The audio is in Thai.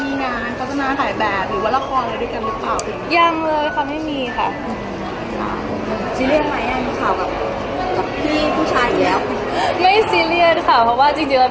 มีงานสถาทายแบบหรือว่าละครด้วยกันรึเปล่า